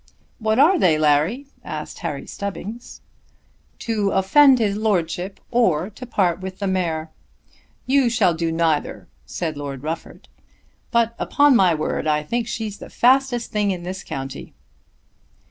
"What are they, Larry?" asked Harry Stubbings. "To offend his Lordship, or to part with the mare." "You shall do neither," said Lord Rufford; "but upon my word I think she's the fastest thing in this county."